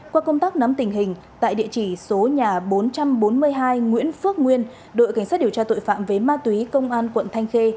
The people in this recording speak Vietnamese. qua công tác nắm tình hình tại địa chỉ số nhà bốn trăm bốn mươi hai nguyễn phước nguyên đội cảnh sát điều tra tội phạm về ma túy công an quận thanh khê